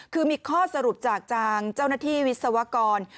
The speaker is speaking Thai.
คือมีข้อสรุปจากจางเจ้าหน้าที่วิศวกร